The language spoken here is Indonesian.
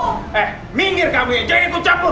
eh minggir kamu aja jangan ikut capur